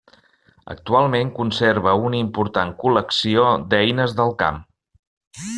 Actualment conserva una important col·lecció d'eines del camp.